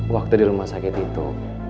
waktu di rumah sakit itu